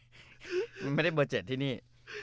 มันไม่ได้เบอร์๗ที่นี่